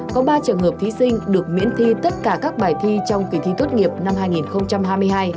có ba trường hợp thí sinh được miễn thi tất cả các bài thi trong kỳ thi tốt nghiệp năm hai nghìn hai mươi hai